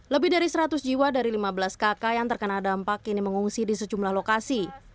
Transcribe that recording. lebih dari seratus jiwa dari lima belas kakak yang terkena dampak kini mengungsi di sejumlah lokasi